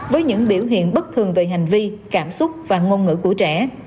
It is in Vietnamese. với những biểu hiện bất thường về hành vi cảm xúc và ngôn ngữ của trẻ